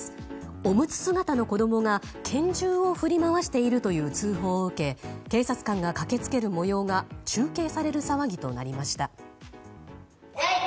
オムツ姿の子供が拳銃を振り回しているという通報を受け警察官が駆け付ける模様が中継される騒ぎとなりました。